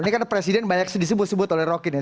ini kan presiden banyak disebut sebut oleh rokin ya